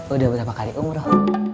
udah berapa kali umroh